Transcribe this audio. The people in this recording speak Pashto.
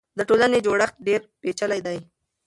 د ټولنې جوړښت ډېر پېچلی دی.